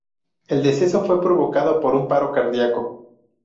El deceso fue provocado por un paro cardiaco.